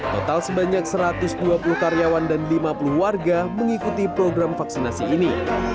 total sebanyak satu ratus dua puluh karyawan dan lima puluh warga mengikuti program vaksinasi ini